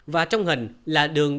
và trong hình là đường